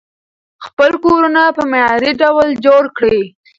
خپل کورونه په معیاري ډول جوړ کړئ.